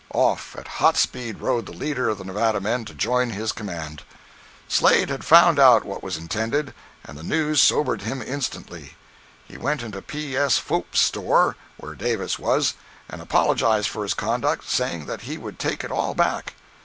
Off, at hot speed, rode the leader of the Nevada men to join his command. Slade had found out what was intended, and the news sobered him instantly. He went into P. S. Pfouts' store, where Davis was, and apologized for his conduct, saying that he would take it all back.